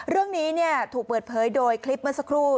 ร่วมนี้เนี่ยถูกเปิดเผยโดยคลิปเมื่อสักครู่